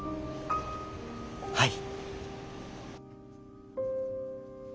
はい。